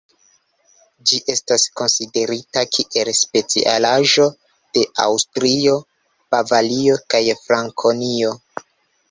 Ĝi estas konsiderita kiel specialaĵo de Aŭstrio, Bavario, kaj Frankonio.